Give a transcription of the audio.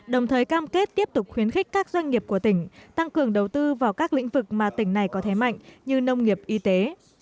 đồng thời cam kết tiếp tục khuyến khích các doanh nghiệp của tỉnh tăng cường đầu tư vào các lĩnh vực mà tỉnh này có thế mạnh như nông nghiệp y tế